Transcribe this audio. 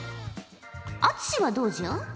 篤志はどうじゃ？